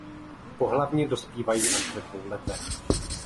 Pohlavně dospívají až ve dvou letech.